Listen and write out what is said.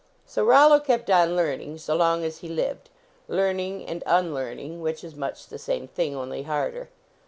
So Rollo kept on learning so long as he lived; learning and unlearning, which is much the same thing, only harder.